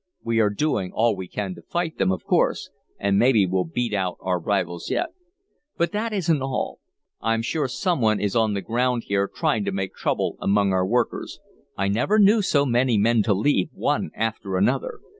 We are doing all we can to fight them, of course, and maybe we'll beat out our rivals yet. "But that isn't all. I'm sure some one is on the ground here trying to make trouble among our workers. I never knew so many men to leave, one after another.